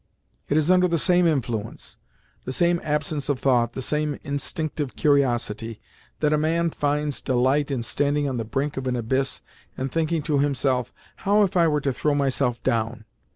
It is under the same influence—the same absence of thought, the same instinctive curiosity—that a man finds delight in standing on the brink of an abyss and thinking to himself, "How if I were to throw myself down?"